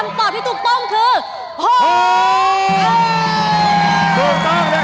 ตอบที่ถูกต้องคือ